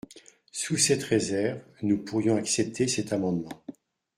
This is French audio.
Sous cette réserve, nous pourrions accepter cet amendement.